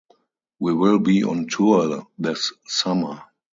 We will be on tour this summer.